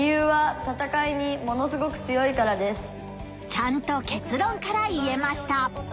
ちゃんと結論から言えました。